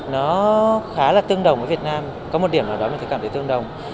nó khá là tương đồng với việt nam có một điểm ở đó mình cảm thấy tương đồng